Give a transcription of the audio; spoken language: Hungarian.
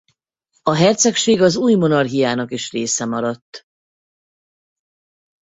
A hercegség az új monarchiának is része maradt.